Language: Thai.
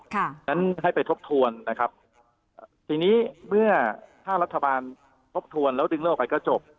ฉะนั้นให้ไปทบทวนนะครับทีนี้เมื่อถ้ารัฐบาลทบทวนแล้วดึงเรื่องออกไปก็จบ